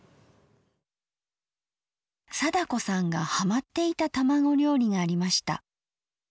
貞子さんがはまっていた卵料理がありました。